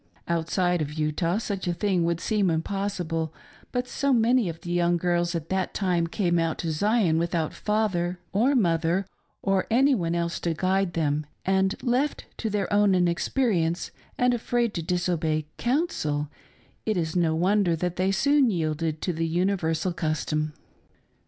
Outside of Utah such a thing would seem impossible, but so many of the young girls at that time came out to Zion Without father ot INSIDE THE TABERNACL5 : THE SERVICES. AND SAfflJTS. 251 tpother or any one else to guide them, and left to their own inexperience and afraid to disobey "counsel" it is no wonder that they soon yielded to the universal custom.